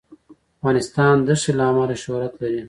افغانستان د ښتې له امله شهرت لري.